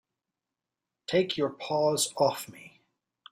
Take your paws off me!